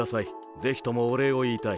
ぜひともおれいをいいたい。